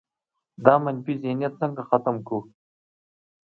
دا منفي ذهنیت څنګه ختم کړو؟